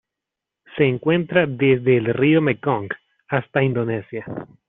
Se encuentra desde el río Mekong hasta Indonesia.